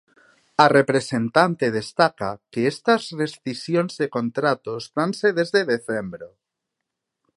A representante destaca que estas rescisións de contratos danse desde decembro.